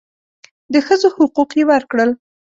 د ښځو حقوق یې ورکړل.